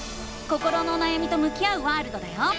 心のおなやみと向き合うワールドだよ！